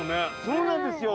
そうなんですよ